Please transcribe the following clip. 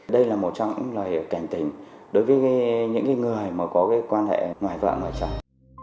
đây là một trong những loài kèm tình đối với những người mà có cái quan hệ ngoại vợ ngoại chồng